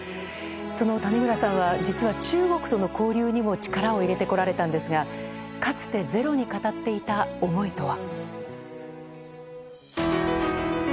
その谷村さんは実は、中国との交流にも力を入れてこられたんですがかつて「ｚｅｒｏ」に語っていた思いとは。